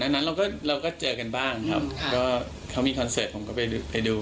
นั้นเราก็เราก็เจอกันบ้างครับก็เขามีคอนเสิร์ตผมก็ไปดู